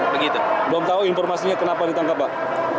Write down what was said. begitu belum tahu informasinya kenapa ditangkap pak